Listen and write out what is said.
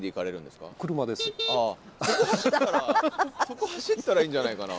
そこ走ったらいいんじゃないかな。